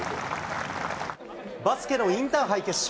バスケのインターハイ決勝。